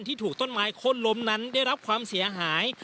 ที่ถูกต้นไม้ข้นล้มนั้นได้รับความเสียหาย